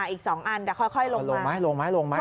อีก๒อันแต่ค่อยลงมาลงไหมลงไหม